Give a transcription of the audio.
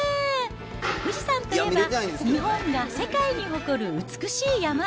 富士山といえば、日本が世界に誇る美しい山。